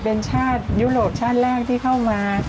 เป็นชาติยุโรปชาติแรกที่เข้ามา